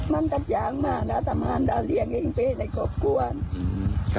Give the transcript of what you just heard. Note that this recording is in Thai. มันตัดอย่างมากแล้วสำหรับเราเรียกเองไปก็กลัว